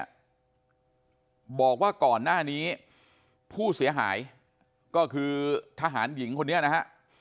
ทางผู้ต้องหาบอกว่าก่อนหน้านี้ผู้เสียหายก็คือทหารหญิงคนเนี้ยนะฮะ